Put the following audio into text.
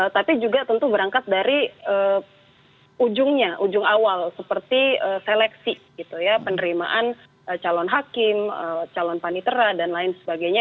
tapi juga tentu berangkat dari ujungnya ujung awal seperti seleksi penerimaan calon hakim calon panitera dan lain sebagainya